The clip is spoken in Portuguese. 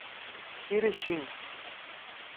Erechim